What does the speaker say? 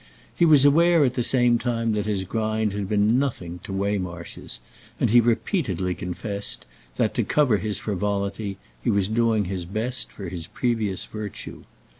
He was aware at the same time that his grind had been as nothing to Waymarsh's, and he repeatedly confessed that, to cover his frivolity, he was doing his best for his previous virtue.